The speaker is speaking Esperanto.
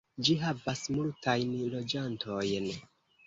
Ĝi havas multajn loĝantojn.